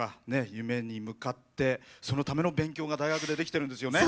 夢に向かってそのための勉強が大学でできてるんですよね。